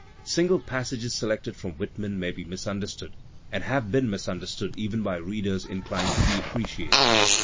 Single passages selected from Whitman may be misunder stood and have been misunderstood even by readers inclined to be appreciative.